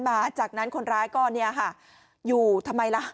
๘๔๐๐๐บาทจากนั้นคนร้ายก็อยู่ทำไมล่ะ